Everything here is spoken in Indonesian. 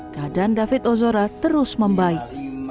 keadaan david ozora terus membaik